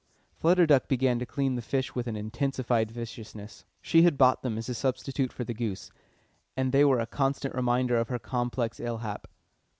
Flutter Duck began to clean the fish with intensified viciousness. She had bought them as a substitute for the goose, and they were a constant reminder of her complex illhap.